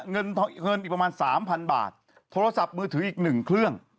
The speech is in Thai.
เงินเท่าเกินอีกประมาณ๓๐๐๐บาทโทรศัพท์มือถืออีก๑เครื่อง